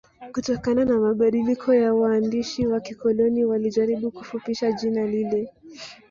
kutokana na mabadiliko ya waandishi wa kikoloni walijaribu kufupisha jina lile